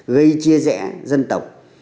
gây chia rẽ dân tộc